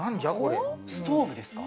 ストーブですか？